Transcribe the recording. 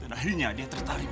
dan akhirnya dia tertarik